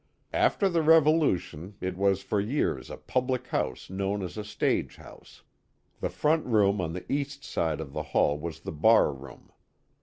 After the revolu tion it was for years a public house known as a stage house. The front room on the east side of the hall was the bar room.